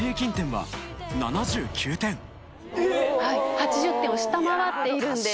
８０点を下回っているんです。